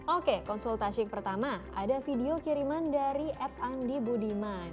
oke konsultasi pertama ada video kiriman dari ad andi budiman